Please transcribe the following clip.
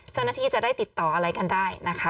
เจ้าหน้าที่จะได้ติดต่ออะไรกันได้นะคะ